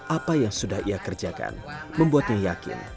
apa yang sudah ia kerjakan membuatnya yakin